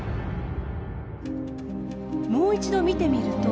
もう一度見てみると。